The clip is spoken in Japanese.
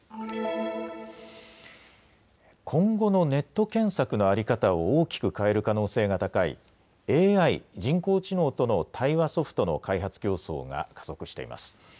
今後のネット検索の在り方を大きく変える可能性が高いＡＩ・人工知能との対話ソフトの開発競争が加速しています。